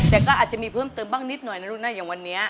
แต่ก็อาจจะมีเพิ่มเติมบ้างนิดหน่อยนะลูกนะอย่างวันนี้